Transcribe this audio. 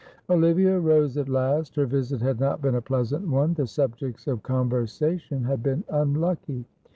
Olivia rose at last. Her visit had not been a pleasant one; the subjects of conversation had been unlucky.